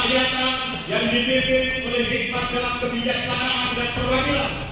kerakyatan yang dimimpin melibatkan kebijaksanaan dan kewajiban